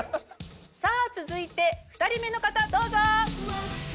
さあ続いて２人目の方どうぞ！